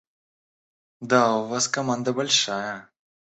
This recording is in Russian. – Да у вас команда большая.